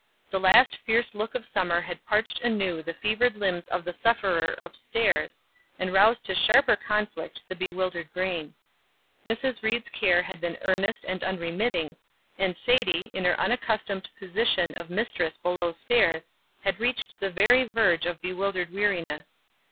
The last fierce look of summer had parched anew the fevered limbs of the sufferer up stairs, and roused to sharper conflict the bewildered brain. Mrs. Ried's care had been earnest and unremitting, and Sadie, in her unaccustomed position of mistress below stairs, had reached the very verge of bewildered weariness.